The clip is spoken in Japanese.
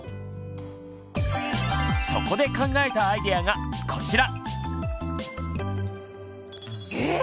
そこで考えたアイデアがこちら！